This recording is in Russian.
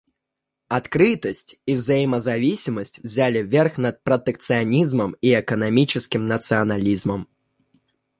Открытость и взаимозависимость взяли верх над протекционизмом и экономическим национализмом.